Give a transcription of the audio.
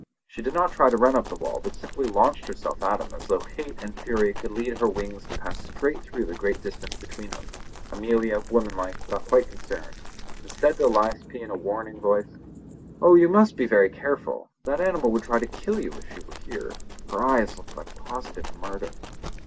She did not try to run up the wall, but simply launched herself at him as though hate and fury could lend her wings to pass straight through the great distance between them. Amelia, womanlike, got quite concerned, and said to Elias P. in a warning voice: "Oh! you must be very careful. That animal would try to kill you if she were here; her eyes look like positive murder."